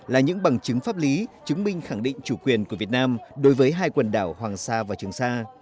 là những bằng chứng pháp lý chứng minh khẳng định chủ quyền của việt nam đối với hai quần đảo hoàng sa và trường sa